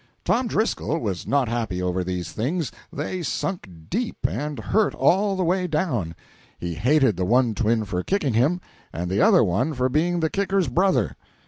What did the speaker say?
Tom Driscoll was not happy over these things; they sunk deep, and hurt all the way down. He hated the one twin for kicking him, and the other one for being the kicker's brother.